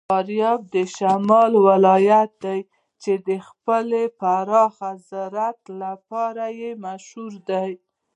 فاریاب د شمال ولایت دی چې د خپل پراخ زراعت لپاره مشهور دی.